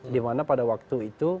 dimana pada waktu itu